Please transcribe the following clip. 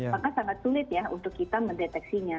maka sangat sulit ya untuk kita mendeteksinya